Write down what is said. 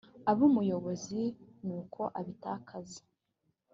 abe umuyobozi n uko abitakaza